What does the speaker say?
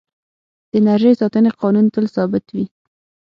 د انرژۍ ساتنې قانون تل ثابت وي.